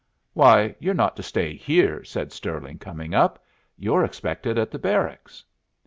"Why, you're not to stay here," said Stirling, coming up. "You're expected at the Barracks."